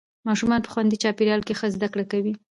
ماشومان په خوندي چاپېریال کې ښه زده کړه کوي